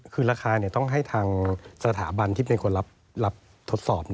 คือราคาต้องให้ทางสถาบันที่เป็นคนรับทดสอบ